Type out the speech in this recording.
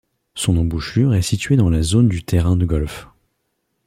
Son embouchure est situé dans la zone du terrain de golf.